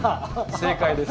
正解です。